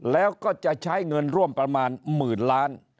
แล้วก็จะใช้เงินร่วมประมาณหมื่นล้าน